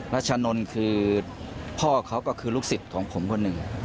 รัชนนท์คือพ่อเขาก็คือลูกศิษย์ของผมคนหนึ่ง